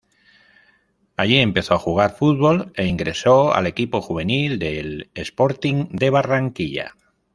Allí, empezó a jugar fútbol, e ingresó al equipo juvenil del Sporting de Barranquilla.